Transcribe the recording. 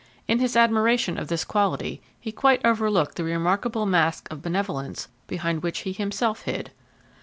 In his admiration of this quality he quite overlooked the remarkable mask of benevolence behind which he himself hid.